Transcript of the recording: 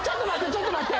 ちょっと待って。